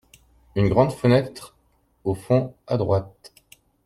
Une grande fenêtre au fond, à droite.